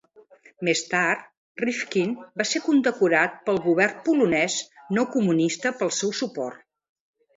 Més tard, Rifkind va ser condecorat pel govern polonès no comunista pel seu suport.